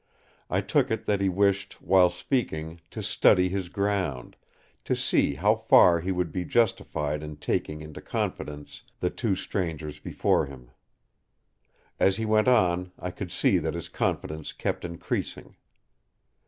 I took it that he wished, while speaking, to study his ground; to see how far he would be justified in taking into confidence the two strangers before him. As he went on, I could see that his confidence kept increasing.